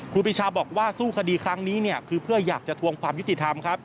ครูปีชาบอกว่าสู้คดีครั้งนี้คือเพื่อยากจะทวงความยุติธรรม